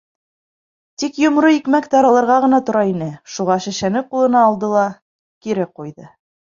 Тик йомро икмәк таралырға ғына тора ине, шуға шешәне ҡулына алды ла... кире ҡуйҙы.